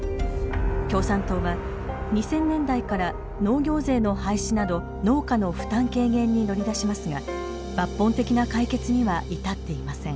共産党は２，０００年代から農業税の廃止など農家の負担軽減に乗り出しますが抜本的な解決には至っていません。